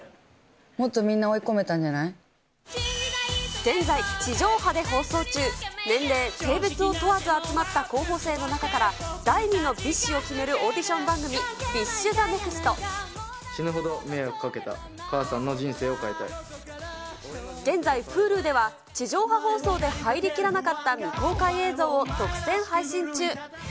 もっとみんな、現在、地上波で放送中、年齢、性別を問わず集まった候補生の中から、第２のＢｉＳＨを決めるオーディション番組、ＢｉＳＨＴＨＥ死ぬほど迷惑をかけた母さん現在、Ｈｕｌｕでは、地上波放送で入りきらなかった未公開映像を独占配信中。